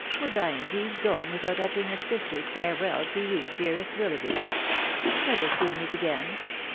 was I indeed going without uttering a sister's farewell to you, dearest Willoughby ? Let us soon meet again.